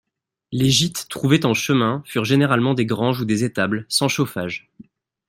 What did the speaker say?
Les gîtes trouvés en chemin furent généralement des granges ou des étables, sans chauffage.